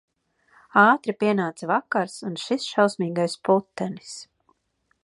Ātri pienāca vakars un šis šausmīgais putenis.